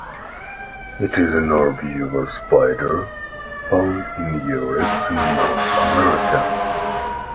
It is an orb-weaver spider found in Europe and North America.